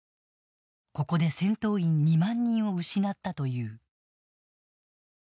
ここで、戦闘員２万人を失ったという。